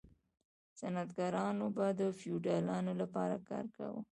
صنعتکارانو به د فیوډالانو لپاره کار کاوه.